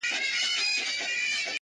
چي د افغانستان غوندي